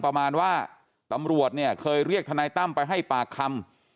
ประมาณว่าตำรวจเคยเรียกทตไปให้ปากคำ